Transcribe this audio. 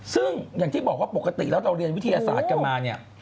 ซึ่งอย่างที่บอกว่าปกติแล้วเราเรียนวิทยาศาสตร์กันมาเนี่ย